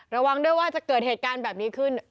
ระวังด้วยว่าจะเกิดเหตุการณ์แบบนี้ขึ้น